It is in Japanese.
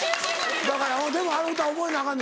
だからうんでもあの歌覚えなアカン。